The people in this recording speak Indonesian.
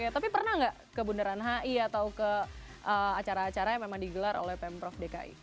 tapi pernah nggak ke bundaran hi atau ke acara acara yang memang digelar oleh pemprov dki